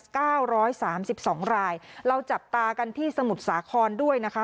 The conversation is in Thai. เก้าร้อยสามสิบสองรายเราจับตากันที่สมุทรสาครด้วยนะคะ